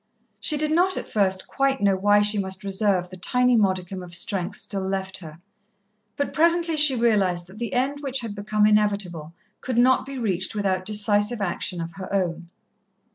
She did not at first quite know why she must reserve the tiny modicum of strength still left her, but presently she realized that the end which had become inevitable could not be reached without decisive action of her own.